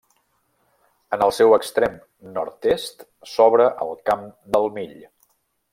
En el seu extrem nord-est s'obre el Camp del Mill.